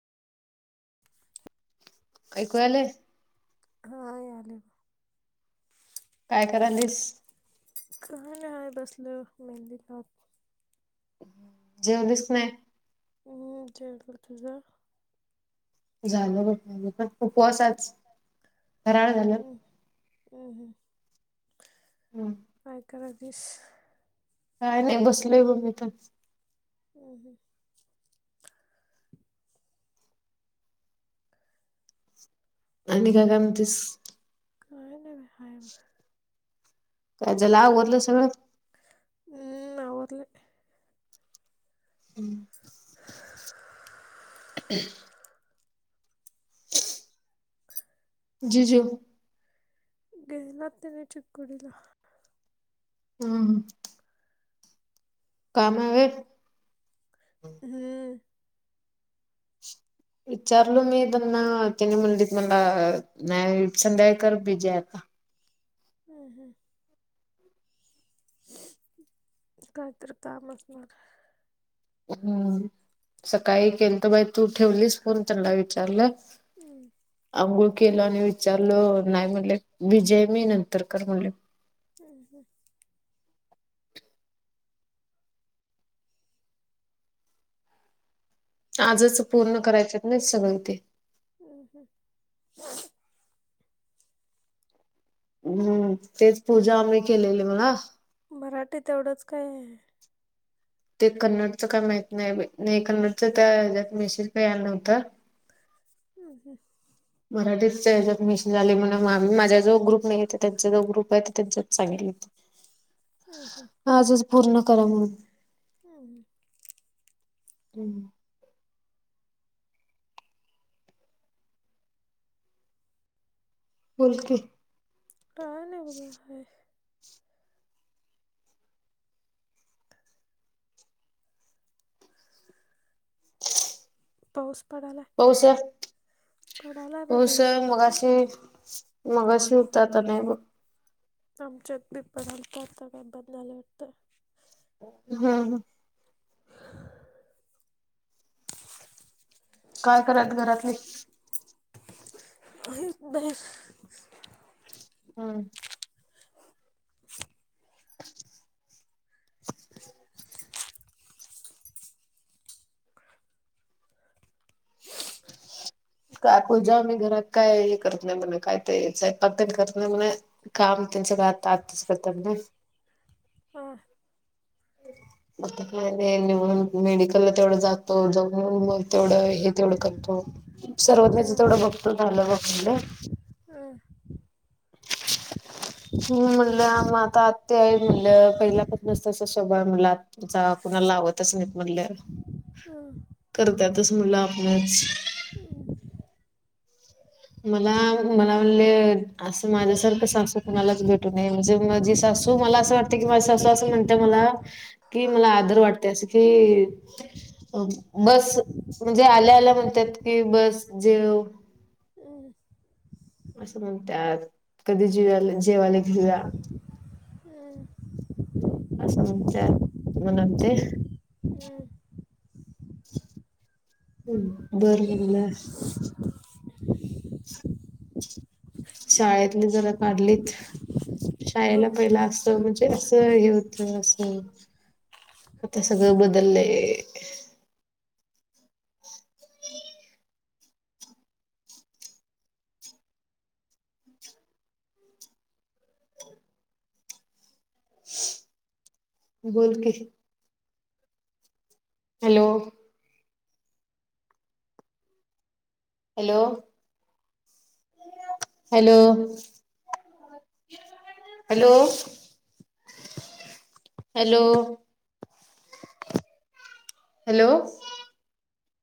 काऐकवाले. हा याले. काय करालीस? कय बसल मेहली हात जेवढच नाही. हम् जे बोलतझ झालं ब झा पण उपवासच कराळ झालं. हम् ह मा क दिस काय नाही बसलय ब मी तर ह ह. आणि का काय म्हणतेस. काय नाही आहेाय म काय जलावरलं सगळं. हम् आर्ल हम्. जी जू गेला ते नाही चकुडीला हम्म. कामावर हम्म. विचारलो मी त्यांना तिने मुललीत मला नय संध्या कर बीजय आता हम हम. काात्र कामस म हम्म. सकाळी केेन तर माई तू ठेवलीस फण त्यांना विचारलं. अंघुळ केलं आणि विचारल नाही म्हटले विजय मी नंतर कर म्हणले. हम् हम. आजच पूर्ण करायच्यात नाही सगळ ते अ ह. हम्म तेच पूजा आम्ही केलेली मला मराठीत एवढंच काय आहे ते कन्नडचं काय माहित नाही नाही कन्नडच त्या हच्यात मेशीज काही आलं नव्हतं हम् हम् मराठीजमेशन मिक्स झाले म्हण माझ्या जवळ ग्रुप नाही त्यांचा जो ग्रुप आहे त्यांच्या सांगितल हम् हम् हम्म हम् हम्म बोलकीे काय नाही उघ आहे पाऊस पडाला उस मगाशी मगशी उतात आणि बघ आमच्या पीपदमपता काय बदलत हा हा [unintelligible] काय करा घरातले अ नाही. हम्. ह काय पूजा मही घरात काय करत नाही म्हणे काय तेच पल करत नाही म्हणे काम त्यांच आ आतच करत म्ह हां ब मता काय नाही नि म्हून मेडिकलला तेवढं जातो जऊ मग तेवढं हे तेवढं करतो सर्वज्ञच तेथोडं बघतो झालं बघलं म्हणलंग आता आत् आहे म्हणलं पहिला पच नसतं अस शोभा आहे म्हटलं आ जा कुणा लावतच नाहीत म्हणल्या करतातच म्हणलं आपणच मला मला म्हणले असं माझ्यासारखं सासू तुम्हालाच भेटू नये म्हणजे माझी सासू त मला असं वाटत की माझ असं म्हणत मला कि मला आदर वाटते असं की बस म्हणजे आल्या आल्या म्हणतात की बस जे हं असं म्हणतत कधी जिवाला जेवाला के्या हम् असं म्हणत्यात म्हणून ते हम बर म्हणल्यास शाळेतली जरा काढलीच शाळेला पहिला अस म्हणजे असं हे होत अस आता सगळं बदललंय बोल की hello hello hello hello hello hello